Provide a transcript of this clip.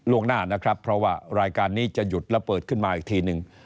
หน้านะครับเพราะว่ารายการนี้จะหยุดและเปิดขึ้นมาอีกทีหนึ่ง